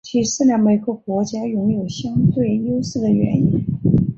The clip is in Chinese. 揭示了每个国家拥有相对优势的原因。